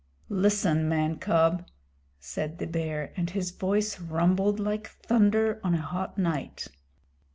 "Listen, man cub," said the Bear, and his voice rumbled like thunder on a hot night.